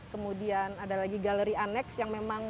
kemudian ada lagi galeri aneks yang memang